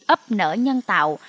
ấp nở nhân tạo